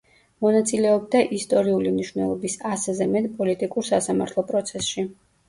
მონაწილეობდა ისტორიული მნიშვნელობის ასზე მეტ პოლიტიკურ სასამართლო პროცესში.